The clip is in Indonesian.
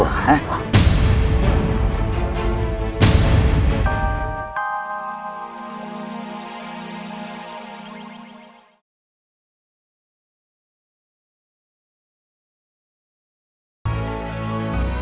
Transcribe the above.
laksmiwati jika melakukan pemiscis itu